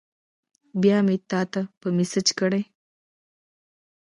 بیا مې تاته په میسج کړی